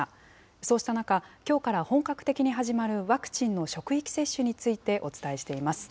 そうした中、きょうから本格的に始まるワクチンの職域接種についてお伝えしています。